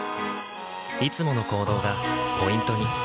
いつもの行動がポイントに。